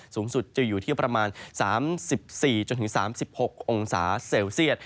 สูงสุดจะอยู่ที่ประมาณ๓๔๓๖องศาเซลเซียต